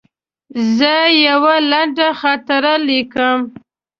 زه یوه لنډه خاطره لیکم.